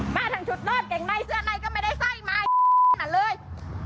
ทั้งชุดนอนเก่งในเสื้อในก็ไม่ได้สร้อยไม้นั่นเลย